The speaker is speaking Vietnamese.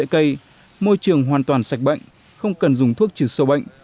tại vì vậy môi trường hoàn toàn sạch bệnh không cần dùng thuốc trừ sâu bệnh